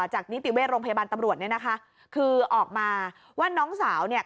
นิติเวชโรงพยาบาลตำรวจเนี่ยนะคะคือออกมาว่าน้องสาวเนี่ย